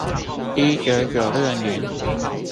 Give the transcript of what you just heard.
一九九六年